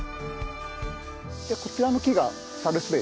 こちらの木がサルスベリ。